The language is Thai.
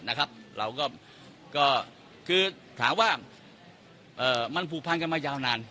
นะครับเราก็ก็คือถามว่าเอ่อมันผูกพันกันมายาวนาน